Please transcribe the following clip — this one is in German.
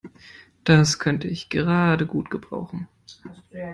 Das könnte ich gerade gut gebrauchen.